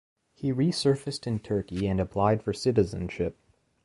He resurfaced in Turkey and applied for citizenship.